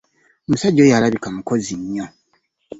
Omusajja oyo alabika mukozi nnyo.